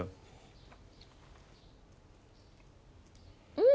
うん！